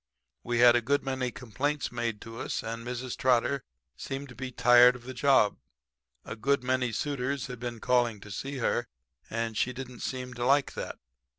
We had a good many complaints made to us; and Mrs. Trotter seemed to be tired of the job. A good many suitors had been calling to see her, and she didn't seem to like that.